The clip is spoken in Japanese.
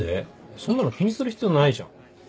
そんなの気にする必要ないじゃん。